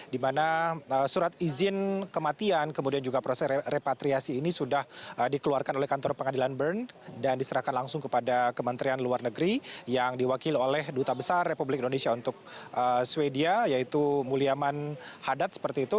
di mana surat izin kematian kemudian juga proses repatriasi ini sudah dikeluarkan oleh kantor pengadilan bern dan diserahkan langsung kepada kementerian luar negeri yang diwakil oleh duta besar republik indonesia untuk swedia yaitu mulyaman hadad seperti itu